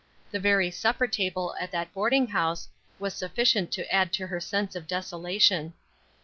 The very supper table at that boarding house was sufficient to add to her sense of desolation.